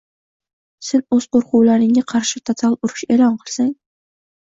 sen o‘z qo‘rquvlaringga qarshi total urush e’lon qilsang